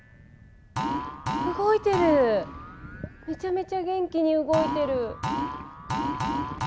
めちゃめちゃ元気に動いてる。